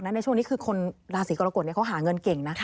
ในช่วงนี้คือคนราศีกรกฎเขาหาเงินเก่งนะ